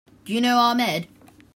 Do you know Ahmed?